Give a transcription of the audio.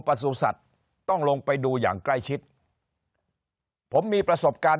ประสุทธิ์ต้องลงไปดูอย่างใกล้ชิดผมมีประสบการณ์